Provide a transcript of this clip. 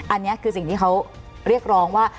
อันนี้คือสิ่งที่เขาเรียกร้องว่า